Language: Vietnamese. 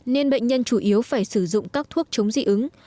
nên bệnh nhân chủ yếu phải sử dụng các thuốc chống dị ứng